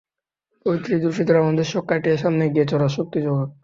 পবিত্র ঈদুল ফিতর আমাদের শোক কাটিয়ে সামনে এগিয়ে চলার শক্তি জোগাক।